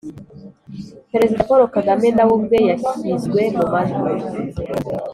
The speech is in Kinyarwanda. perezida paul kagame, nawe ubwe washyizwe mu majwi